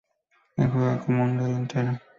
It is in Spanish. Él juega como un delantero.